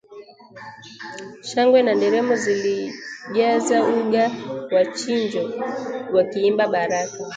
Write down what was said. shangwe na nderemo zilijaza uga wa Chinjo wakiimba "Baraka